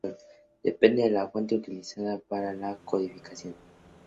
Depende de la fuente utilizada para la codificación.